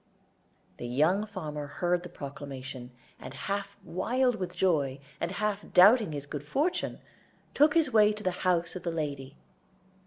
The young farmer heard the proclamation, and, half wild with joy, and half doubting his good fortune, took his way to the house of the lady.